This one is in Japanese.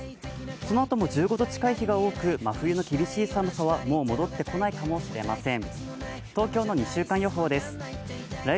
そのあとも１５度近い日が多く、真冬の厳しい寒さはもう戻ってこないかもしれません。